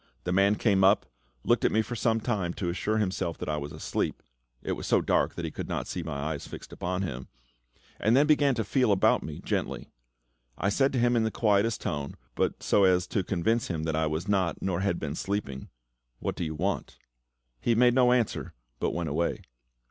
The man came up, looked at me for some time to assure himself that I was asleep (it was so dark that he could not see my eyes fixed on him), and then began to feel about me gently. I said to him in the quietest tone, but so as to convince him that I was not, nor had been, sleeping, "What do you want?" He made no answer, but went away.